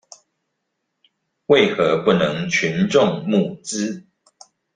為何不能群眾募資？